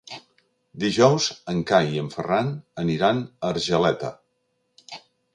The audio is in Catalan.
Dijous en Cai i en Ferran aniran a Argeleta.